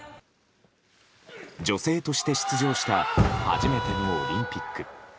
女性として出場した初めてのオリンピック。